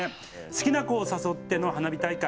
「好きな子を誘っての花火大会。